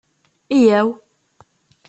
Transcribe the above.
Yya-w!